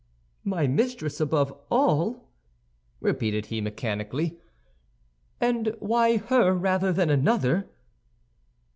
"My mistress above all," repeated he, mechanically; "and why her rather than another?"